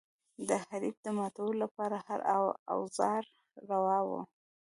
د حریف د ماتولو لپاره هر اوزار روا و.